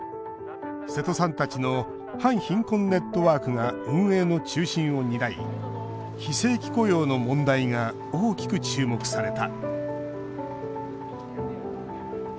瀬戸さんたちの反貧困ネットワークが運営の中心を担い非正規雇用の問題が大きく注目された。